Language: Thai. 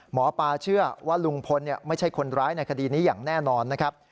หมอปลาเชื่อว่าลุงพลไม่ใช่คนร้ายในคดีนี้อย่างแน่นอนนะครับ